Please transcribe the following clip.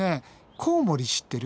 コウモリ知ってる？